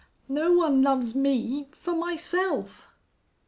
No one loves me for myself!"